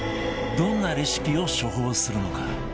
どんなレシピを処方するのか？